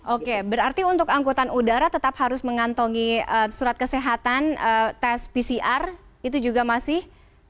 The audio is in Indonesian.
oke berarti untuk angkutan udara tetap harus mengantongi surat kesehatan tes pcr itu juga masih